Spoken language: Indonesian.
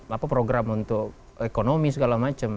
apa program untuk ekonomi segala macam